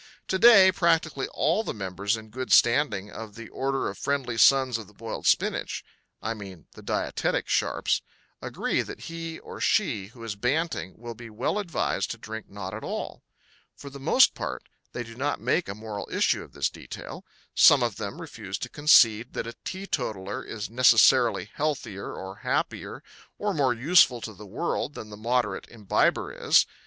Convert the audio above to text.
To day practically all the members in good standing of the Order of Friendly Sons of the Boiled Spinach I mean the dietetic sharps agree that he or she who is banting will be well advised to drink not at all. For the most part they do not make a moral issue of this detail. Some of them refuse to concede that a teetotaler is necessarily healthier or happier or more useful to the world than the moderate imbiber is.